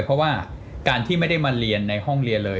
เพราะว่าการที่ไม่ได้มาเรียนในห้องเรียนเลย